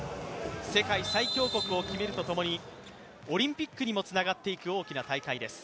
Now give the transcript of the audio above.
世界最強国を決めるとともにオリンピックにもつながっていく大きな大会です。